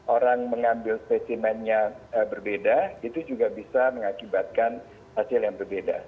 orang mengambil spesimennya berbeda itu juga bisa mengakibatkan hasil yang berbeda